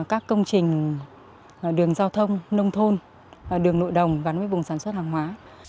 các công trình đường giao thông nông thôn đường nội đồng gắn với vùng sản xuất hàng hóa